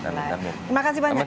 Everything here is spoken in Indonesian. terima kasih banyak